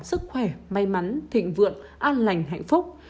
sức khỏe may mắn thịnh vượng an lành hạnh phúc